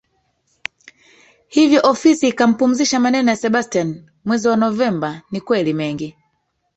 hivyo ofisi ikampumzisha Maneno ya Sebastian mwezi wa novemba Ni kweli mengi